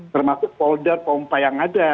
termasuk folder pompa yang ada